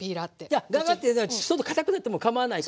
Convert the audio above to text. いやガガっていったらちょっとかたくなってもかまわないから。